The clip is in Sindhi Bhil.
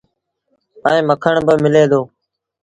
ائيٚݩ مکڻ با ملي دو۔